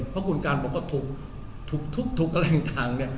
เพราะคุณการบอกว่าถูกถูกอะไรอย่างนี้